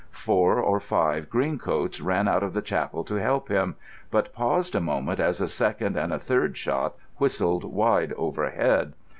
Four or five green coats ran out of the chapel to help him, but paused a moment as a second and a third shot whistled wide overhead.